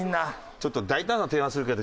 ちょっと大胆な提案するけど。